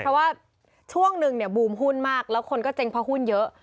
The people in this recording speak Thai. เพราะว่าช่วงนึงเนี่ยบูมหุ้นมากแล้วคนก็เจ๊งเพราะหุ้นเยอะ